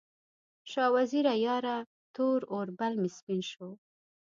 شاه وزیره یاره، تور اوربل مې سپین شو